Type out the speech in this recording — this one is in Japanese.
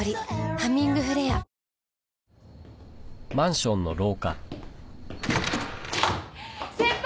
「ハミングフレア」先輩！